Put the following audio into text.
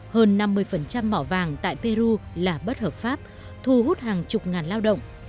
hơn năm mươi mỏ vàng tại peru là bất hợp pháp thu hút hàng chục ngàn lao động